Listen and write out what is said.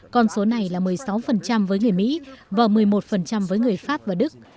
con số này là một mươi sáu với người mỹ và một mươi một với người pháp và đức